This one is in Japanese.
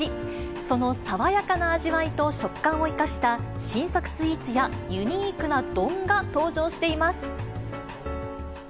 その爽やかな味わいと食感を生かした新作スイーツやユニークな丼が登場しています。